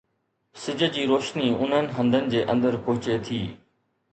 سج جي روشني انهن هنڌن جي اندر پهچي ٿي